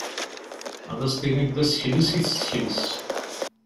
Ad as-tiniḍ d asekles i tessekles.